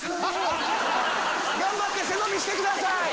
頑張って背伸びしてください。